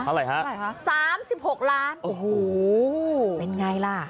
เหล่าไหร่ฮะ๓๖ล้านเป็นไงล่ะ